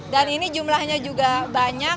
dan ini jumlahnya juga banyak